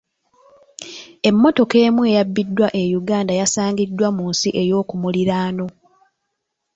Emmotoka emu yabbibwa e Uganda yasangiddwa mu nsi ey'okumuliraano.